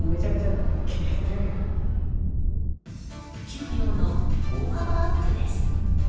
給料の大幅アップです。